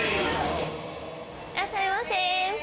いらっしゃいませ。